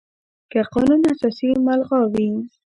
که قانون اساسي ملغا وي،